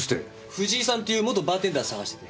藤井さんっていう元バーテンダー捜してて。